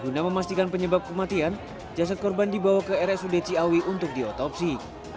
guna memastikan penyebab kematian jasad korban dibawa ke rsud ciawi untuk diotopsi